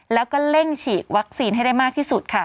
แล้วก็เร่งฉีดวัคซีนให้ได้มากที่สุดค่ะ